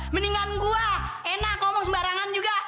mendingan gua enak ngomong sembarangan juga